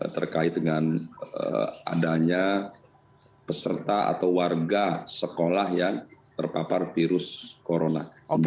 terkait dengan adanya peserta atau warga sekolah yang terpapar virus corona